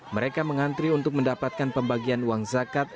mereka mengantri untuk mendapatkan pembagian uang zakat